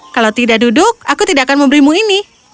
kalau tidak duduk aku tidak akan memberimu ini